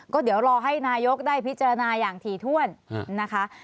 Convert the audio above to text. ก็เดี๋ยวรอให้นายกได้พิจารณาอย่างถี่ถ้วนนะคะ